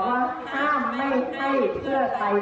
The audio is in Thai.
น่าจะรู้ตัวแล้วเราเห็นเพราะเรานิดหนึ่ง